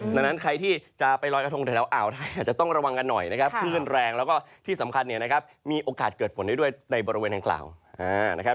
ดังนั้นใครที่จะไปลอยกระทงแถวอ่าวไทยอาจจะต้องระวังกันหน่อยนะครับคลื่นแรงแล้วก็ที่สำคัญเนี่ยนะครับมีโอกาสเกิดฝนได้ด้วยในบริเวณดังกล่าวนะครับ